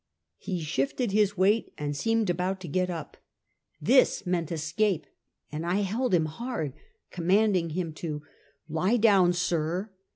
He shifted his weight and seemed about to get up. This meant escape, and I held him hard, commanding him to "lie down, sir."